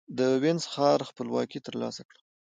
د وينز ښار خپلواکي ترلاسه کړه.